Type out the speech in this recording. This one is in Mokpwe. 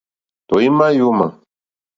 Tɔ̀ímá yǒmà.